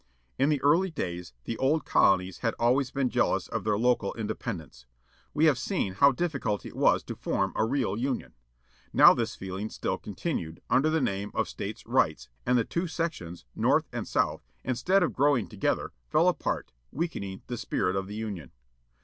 In the early days the old colonies had always been jealous of their local inde pendence. We have seen how difficult it was to form a real Union. Now this feehng still continued, under the name of States' rights, and the two sections, North and South, instead of growing together, fell apart, weakening the spirit of Union.